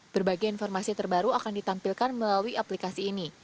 berbagai informasi terbaru akan ditampilkan melalui aplikasi ini